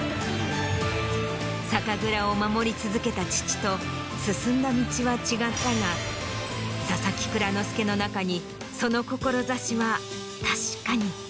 酒蔵を守り続けた父と進んだ道は違ったが佐々木蔵之介の中に。